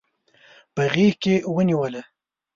په غیږ کې ونیوله